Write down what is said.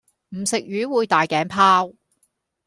唔食魚會大頸泡